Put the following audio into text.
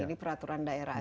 ini peraturan daerah